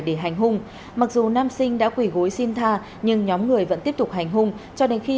để hành hung mặc dù nam sinh đã quỷ gối xin tha nhưng nhóm người vẫn tiếp tục hành hung cho đến khi